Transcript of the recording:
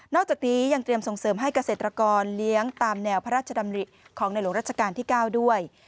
อกจากนี้ยังเตรียมส่งเสริมให้เกษตรกรเลี้ยงตามแนวพระราชดำริของในหลวงราชการที่๙ด้วย